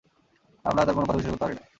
আমরা তার কোন কথা বিশ্বাস করতে পারি না।